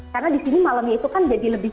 karena di sini malamnya itu kan jadi lebih